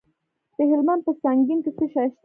د هلمند په سنګین کې څه شی شته؟